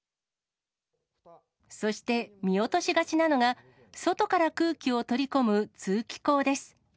そして見落としがちなのが、外から空気を取り込む通気口です。